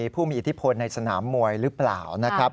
ผู้มีอิทธิพลในสนามมวยหรือเปล่านะครับ